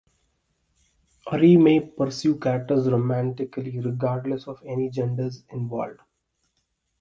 Ari may pursue characters romantically regardless of any genders involved.